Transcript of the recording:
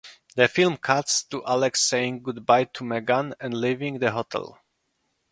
The film cuts to Alex saying goodbye to Megan and leaving the hotel.